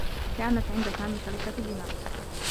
كانت عند سامي شركة بناء.